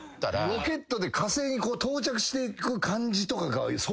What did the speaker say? ロケットで火星に到着していく感じとかが想像できない。